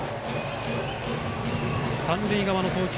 三塁側の投球